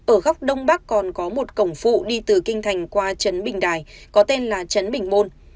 ở góc đông bắc còn có một cổng phụ đi từ kinh thành qua trấn bình đài có tên là trấn bình môn